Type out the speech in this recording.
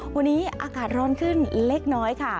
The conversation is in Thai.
วันนี้อากาศร้อนขึ้นเล็กน้อยค่ะ